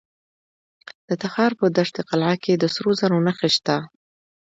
د تخار په دشت قلعه کې د سرو زرو نښې شته.